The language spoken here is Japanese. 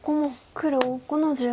黒５の十八。